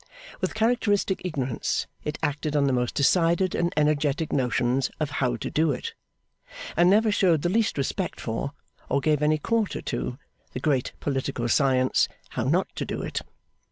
With characteristic ignorance, it acted on the most decided and energetic notions of How to do it; and never showed the least respect for, or gave any quarter to, the great political science, How not to do it.